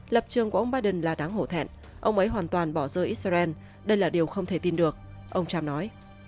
lập trường của ông biden là đáng hổ thẹn ông ấy hoàn toàn bỏ rơi israel đây là điều không thể tin được ông trump nói